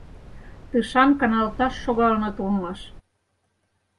Тышан каналташ шогалыныт улмаш.